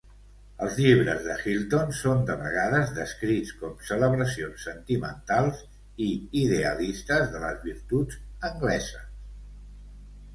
Els llibres de Hilton són de vegades descrits com celebracions sentimentals i idealistes de les virtuts angleses.